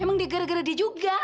emang dia gara gara dia juga